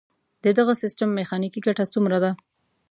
د دغه سیستم میخانیکي ګټه څومره ده؟